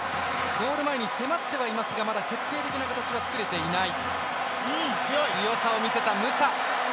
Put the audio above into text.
ゴール前に迫ってはいますがまだ決定的な形は作れていない。